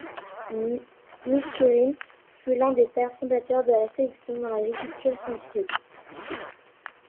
Mitchourine fut l'un des pères fondateurs de la sélection dans l'agriculture scientifique.